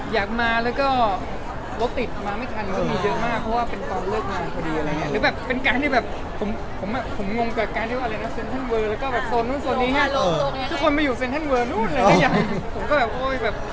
อยากมาได้ที่ทางงานเพราะว่าได้ร้องเพลงเหรอครับ